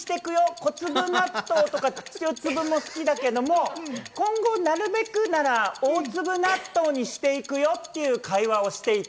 小粒納豆とか中粒も好きだけど今後、なるべくなら大粒納豆にしていくよっていう会話をしていた。